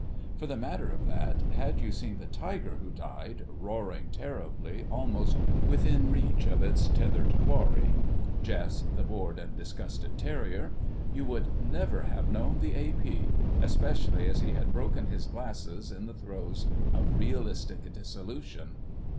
For the matter of that, had you seen the tiger who died, roaring terribly almost within reach of its tethered quarry (Jess, the bored and disgusted terrier), you would never have known the A.P.—especially as he had broken his glasses in the throes of realistic dissolution.